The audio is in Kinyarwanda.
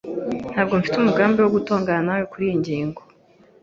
Ntabwo mfite umugambi wo gutongana nawe kuriyi ngingo.